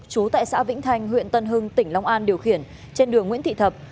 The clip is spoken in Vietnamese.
trú tại xã vĩnh thành huyện tân hưng tỉnh long an điều khiển trên đường nguyễn thị thập